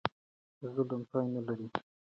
ظلم پای نه لري.